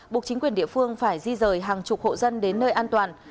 buộc chính quyền địa phương phải di rời hàng chục hộ dân đến nơi an toàn